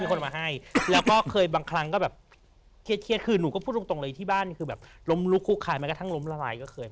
บางคนมาให้ไม่ค่อยบ้างครั้งก็แบบเขียนกุ๊ดตรงเลยที่บ้านคุยแบบลมลุกขึ้นคายมันกระทั่งล้มละลายก็เคยไหม